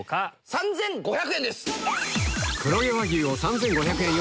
３５００円です。